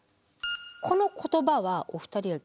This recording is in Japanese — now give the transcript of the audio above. この言葉はお二人は。